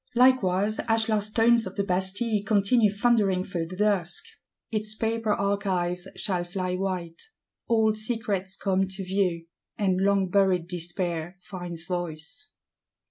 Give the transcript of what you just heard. Likewise ashlar stones of the Bastille continue thundering through the dusk; its paper archives shall fly white. Old secrets come to view; and long buried Despair finds voice.